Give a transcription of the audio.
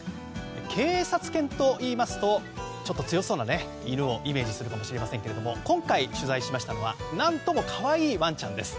警察犬といいますとちょっと強そうな犬をイメージするかもしれませんが今回、取材しましたのは何とも可愛いワンちゃんです。